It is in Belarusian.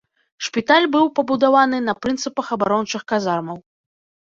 Шпіталь быў пабудаваны на прынцыпах абарончых казармаў.